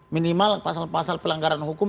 minimal pasal pasal pelanggaran hukum